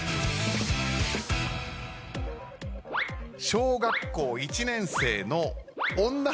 小学校１年生の女の子の。